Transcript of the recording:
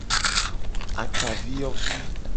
Ataviyovi.